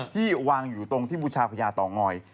ที่วางอยู่ตรงที่บูชาพญาเต่างอย